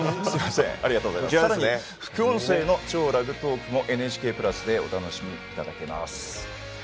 そして副音声「超ラグトーク」も「ＮＨＫプラス」でお楽しみいただけます。